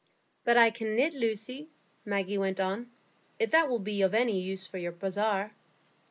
"But I can knit, Lucy," Maggie went on, "if that will be of any use for your bazaar."